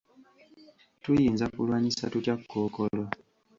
Tuyinza kulwanyisa tutya kkookolo?